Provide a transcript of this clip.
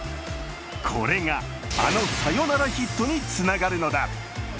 これが、あのサヨナラヒットにつながるのだ。